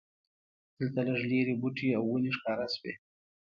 دلته لږ لرې بوټي او ونې ښکاره شوې.